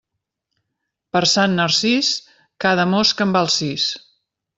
Per Sant Narcís, cada mosca en val sis.